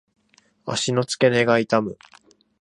足の付け根が痛む。